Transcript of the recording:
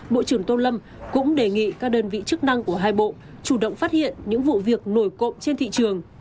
bộ trưởng tô lâm cũng đề nghị các đơn vị chức năng của hai bộ chủ động phát hiện những vụ việc nổi cộng trên thị trường